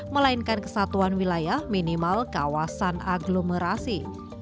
melainkan kesatuan wilayah minimal kawasan aglomerasi